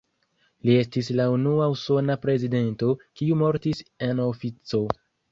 Li estis la unua usona prezidento, kiu mortis en ofico.